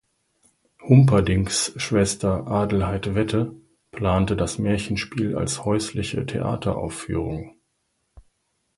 Humperdincks Schwester Adelheid Wette plante das Märchenspiel als häusliche Theateraufführung.